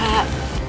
kamu bisa ke rumah